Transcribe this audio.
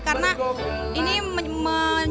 karena ini menjelaskan